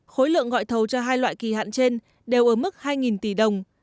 khối lượng gọi thầu cho hai loại kỳ hạn trên đều ở mức hai tỷ đồng